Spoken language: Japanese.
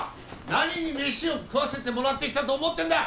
何にメシを食わせてもらってきたと思ってんだ！？